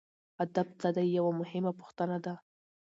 ادب څه دی یوه مهمه پوښتنه ده.